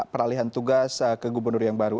peralihan tugas ke gubernur yang baru